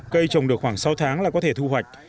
cây trồng được khoảng sáu tháng là có thể thu hoạch